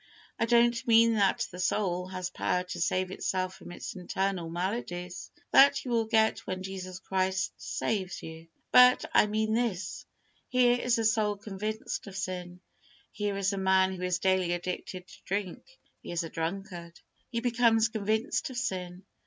I don't mean that the soul has power to save itself from its internal maladies. That you will get when Jesus Christ saves you. But, I mean this: here is a soul convinced of sin. Here is a man who is daily addicted to drink. He is a drunkard. He becomes convinced of sin.